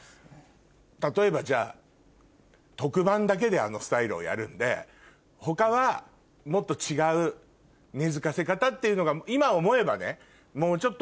例えばじゃあ特番だけであのスタイルをやるんで他はもっと違う根付かせ方っていうのが今思えばねもうちょっと。